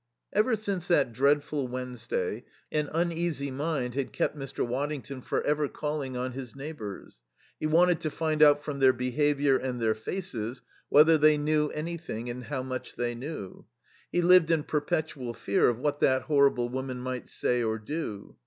Ever since that dreadful Wednesday an uneasy mind had kept Mr. Waddington for ever calling on his neighbours. He wanted to find out from their behaviour and their faces whether they knew anything and how much they knew. He lived in perpetual fear of what that horrible woman might say or do.